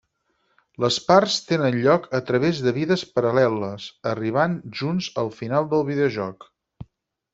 Les parts tenen lloc a través de vides paral·leles, arribant junts al final del videojoc.